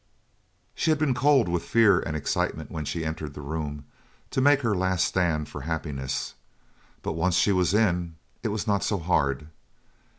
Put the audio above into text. She had been cold with fear and excitement when she entered the room to make her last stand for happiness, but once she was in, it was not so hard.